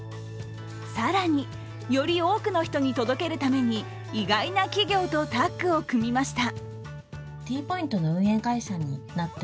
更に、より多くの人に届けるために意外な企業とタッグを組みました。